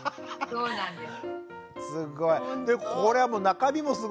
そうなんです。